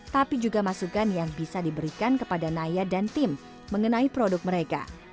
tapi juga masukan yang bisa diberikan kepada naya dan tim mengenai produk mereka